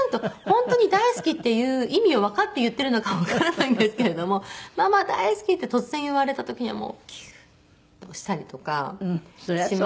本当に「大好き」っていう意味をわかって言ってるのかわからないんですけれども「ママ大好き」って突然言われた時にはもうキューン！としたりとかしますし。